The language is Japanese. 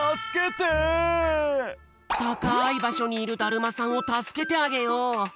たかいばしょにいるだるまさんをたすけてあげよう！